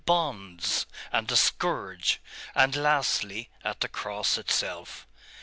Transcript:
bonds, and the scourge, and lastly, at the cross itself....